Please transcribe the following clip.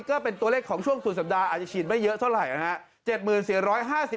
ก็เป็นตัวเลขของช่วงสุดสัปดาห์อาจจะฉีดไม่เยอะเท่าไหร่นะครับ